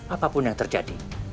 apapun yang terjadi